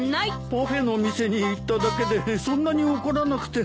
パフェの店に行っただけでそんなに怒らなくても。